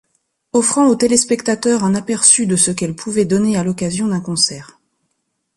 Offrant aux téléspectateurs un aperçu de ce qu’elle pouvait donner à l’occasion d’un concert.